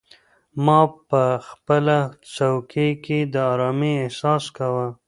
ما په خپله څوکۍ کې د ارامۍ احساس کاوه.